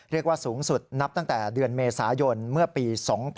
เรียกว่าสูงสุดนับตั้งแต่เดือนเมษายนเมื่อปี๒๕๖๒